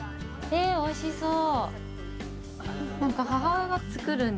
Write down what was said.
おいしそう。